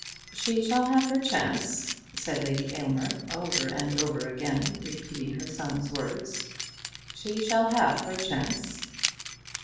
"She shall have her chance," said Lady Aylmer over and over again, repeating her son's words. "She shall have her chance."